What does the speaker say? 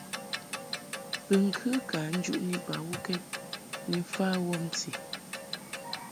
Bɨŋkɨ ka njuʼni bawukɛd ni mfa wɔmti.